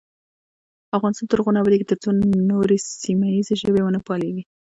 افغانستان تر هغو نه ابادیږي، ترڅو نورې سیمه ییزې ژبې ونه پالیږي.